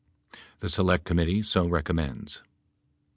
The Select Committee so recommends.